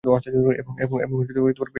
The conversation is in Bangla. এবং পেছনে আমার বোন।